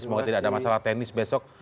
semoga tidak ada masalah teknis besok